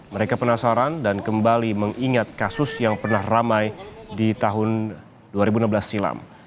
mereka penasaran dan kembali mengingat kasus yang pernah ramai di tahun dua ribu enam belas silam